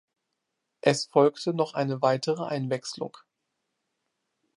Es folgte noch eine weitere Einwechslung.